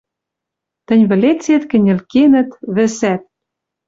Тӹнь вӹлецет кӹньӹл кенӹт, вӹсӓт